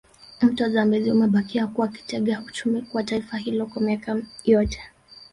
Mto Zambezi umebakia kuwa kitega uchumi kwa taifa hilo kwa miaka yote